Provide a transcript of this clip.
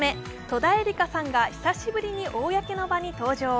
戸田恵梨香さんが久しぶりに公の場に登場。